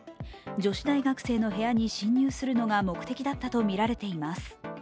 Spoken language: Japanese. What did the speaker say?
女子大学生の部屋に侵入するのが目的だったとみられています。